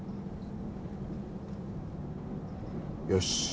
よし。